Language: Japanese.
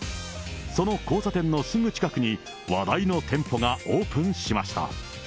その交差点のすぐ近くに、話題の店舗がオープンしました。